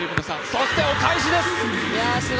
そしてお返しです。